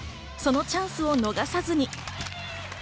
そのチャンスを逃さずに。